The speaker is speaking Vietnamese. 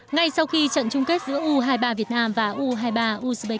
ngay sau khi trận chung kết giữa u hai mươi ba việt nam và u hai mươi ba uzbekistan kết thúc